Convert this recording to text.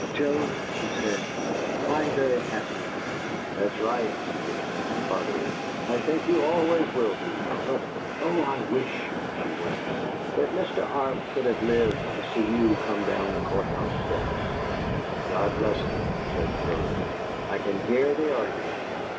"Joe," she said, "I'm very happy!" "That's right," he returned, heartily. "I think you always will be." "But, oh! I wish," she went on, "that Mr. Arp could have lived to see you come down the Court house steps." "God bless him!" said Joe. "I can hear the 'argument'!"